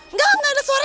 nggak nggak ada suara